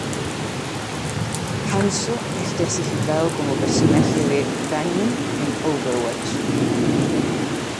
Hanzo es clasificado como personaje de "daño" en "Overwatch.